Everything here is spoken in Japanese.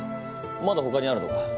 まだほかにあるのか？